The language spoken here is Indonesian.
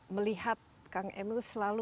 melihat kang emil selalu